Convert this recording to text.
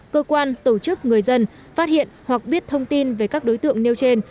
cơ quan tổ chức người dân phát hiện hoặc biết thông tin về các đối tượng nêu trên